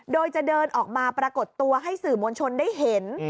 โดยจะเดินออกมาปรากฏตัวให้สื่อมวลชนได้เห็น